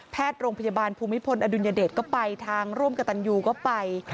โรงพยาบาลภูมิพลอดุลยเดชก็ไปทางร่วมกับตันยูก็ไป